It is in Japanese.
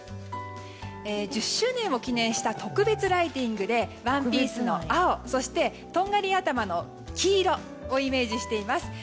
１０周年を記念した特別ライティングでワンピースの青、とんがり頭の黄色をイメージしています。